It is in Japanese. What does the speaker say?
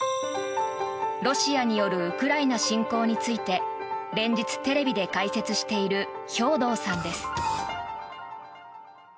ロシアによるウクライナ侵攻について連日テレビで解説している兵頭さんです。